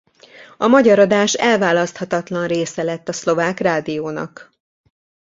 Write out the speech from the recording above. A magyar adás elválaszthatatlan része lett a Szlovák Rádiónak.